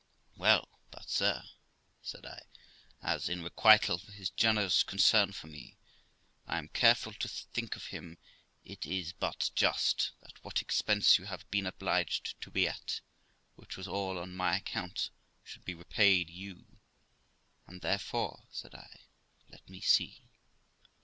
' Well, but, sir ', said I, ' as, in requital for his generous concern for me, I am careful to think of him, it is but just that what expense you have been obliged to be at, which was all on my account, should be repaid you; and therefore', said I, 'let me see